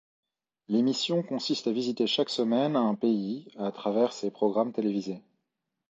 L'émission consiste à visiter chaque semaine un pays à travers ses programmes télévisés.